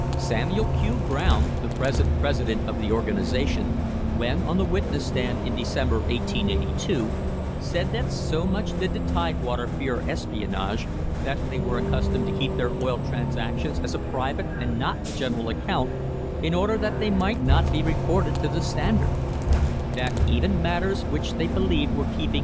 Samuel Q. Brown, the present president of the organisation, when on the witness stand in December, 1882, said that so much did the Tidewater fear espionage that they were accustomed to keep their oil transactions as a private and not a general account, in order that they might not be reported to the Standard ; that even matters which they believed they * See Appendix, Number 38.